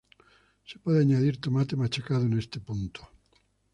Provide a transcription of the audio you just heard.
Se puede añadir tomate machacado en este punto.